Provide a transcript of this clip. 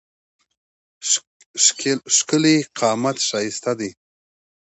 ښکېلی قامت ښایسته دی.